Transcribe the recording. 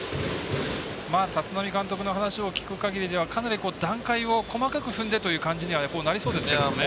立浪監督の話を聞くかぎりではかなり、段階を細かく踏んでという感じになりそうですけどね。